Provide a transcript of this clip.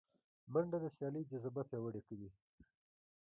منډه د سیالۍ جذبه پیاوړې کوي